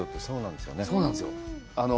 そうなんですよ。